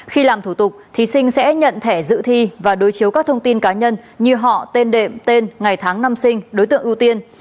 khi làm thủ tục thí sinh sẽ nhận thẻ dự thi và đối chiếu các thông tin cá nhân như họ tên đệm tên ngày tháng năm sinh đối tượng ưu tiên